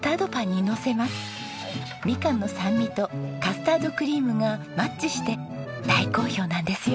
みかんの酸味とカスタードクリームがマッチして大好評なんですよ。